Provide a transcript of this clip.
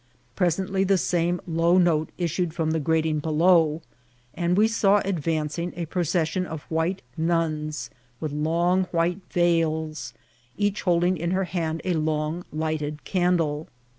Presently the same low note issued from the grating beloW, and we saw advancing a procession of white nuns, with long white veils, each holding in her hand a long lighted candle.